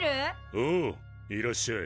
おういらっしゃい。